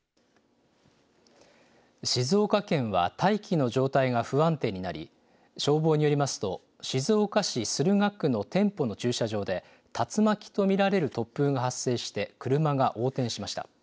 静岡県は大気の状態が不安定になり、消防によりますと、静岡市駿河区の店舗の駐車場で、竜巻と見られる突風が発生し車が横転しました。